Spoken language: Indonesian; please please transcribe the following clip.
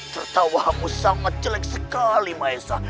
tertawamu sangat jelek sekali maesa